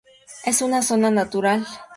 Es una zona natural.